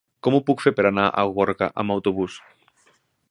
Com ho puc fer per anar a Gorga amb autobús?